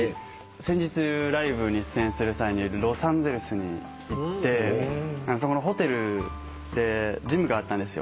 先日ライブに出演する際にロサンゼルスに行ってそこのホテルでジムがあったんですよ。